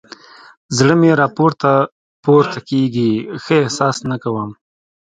زړه مې راپورته پورته کېږي؛ ښه احساس نه کوم.